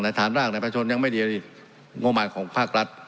ในฐานรากในประชนยังไม่ได้โงมัติของภาครัฐ